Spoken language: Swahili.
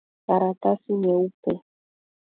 Karatasi nyeupe.